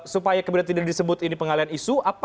supaya kemudian tidak disebut ini pengalian isu